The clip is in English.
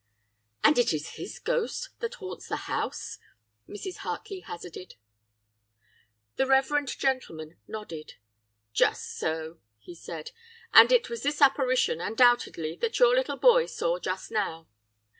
"'And it is his ghost that haunts the house?' Mrs. Hartley hazarded. "The Rev. gentleman nodded. 'Just so,' he said, 'and it was this apparition, undoubtedly, that your little boy saw just now.